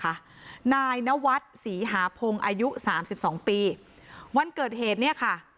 นายนวัดศรีหาพงศ์อายุสามสิบสองปีวันเกิดเหตุเนี่ยค่ะ